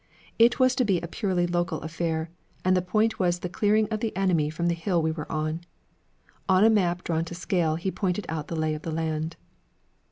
It was to be a purely local affair, and the point was the clearing of the enemy from the hill we were on. On a map drawn to scale he pointed out the lay of the land.